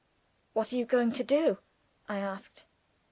"What are you going to do?" I asked.